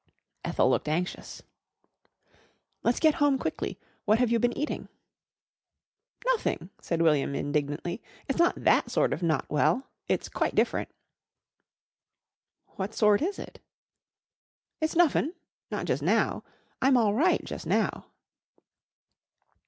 Ethel looked anxious. "Let's get home quickly. What have you been eating?" "Nothing," said William indignantly. "It's not that sort of not well. It's quite diff'rent." "What sort is it?" "It's nuffin' not jus' now. I'm all right jus' now."